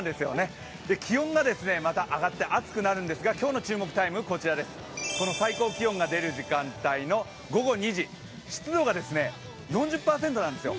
気温がまた上がって暑くなるんですが今日の注目タイムは最高気温が出る時間帯の午後２時、湿度が４０％なんですよ。